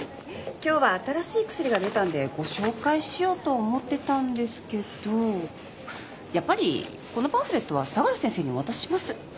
今日は新しい薬が出たんでご紹介しようと思ってたんですけどやっぱりこのパンフレットは相良先生にお渡しします。